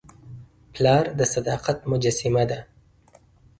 پلار د صداقت مجسمه ده.